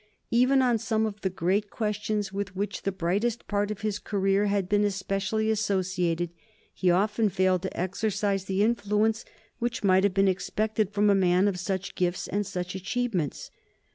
Even on some of the great questions with which the brightest part of his career had been especially associated he often failed to exercise the influence which might have been expected from a man of such gifts and such achievements.